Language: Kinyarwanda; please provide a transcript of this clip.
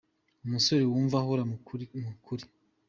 Umusore wumva ko ahora ari mu kuri .